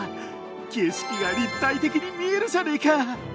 景色が立体的に見えるじゃねえか！